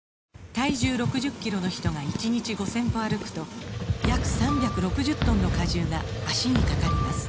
体重６０キロの人が１日５０００歩歩くと約３６０トンの荷重が脚にかかります